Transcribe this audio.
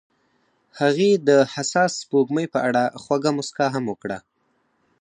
هغې د حساس سپوږمۍ په اړه خوږه موسکا هم وکړه.